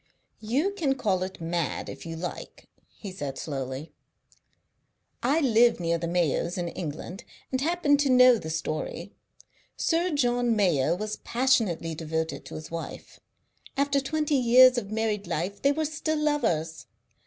"You can call it mad, if you like," he said slowly. "I live near the Mayos' in England, and happen to know the story. Sir John Mayo was passionately devoted to his wife; after twenty years of married life they were still lovers.